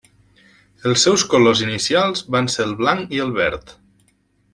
Els seus colors inicials van ser el blanc i el verd.